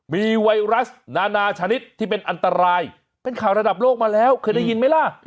มีไวรัสนานาชนิดที่เป็นอันตรายเป็นข่าวระดับโลกมาแล้วเคยได้ยินไหมล่ะ